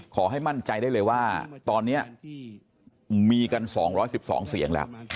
ขอให้มั่นใจได้เลยว่าตอนนี้มีกัน๒๑๒เสียงแล้ว